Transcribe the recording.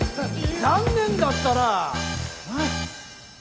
残念だったな。